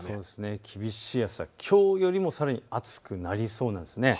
厳しい暑さ、きょうよりもさらに暑くなりそうなんです。